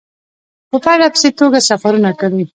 په پرله پسې توګه سفرونه کړي.